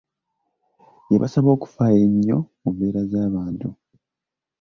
Yabasaba okufaayo ennyo ku mbeera z'abantu